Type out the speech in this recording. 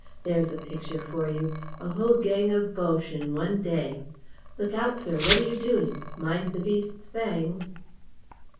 There's a picture for you! A whole gang of Boches in one day! ... Look out, sir, what are you doing? Mind the beast's fangs!"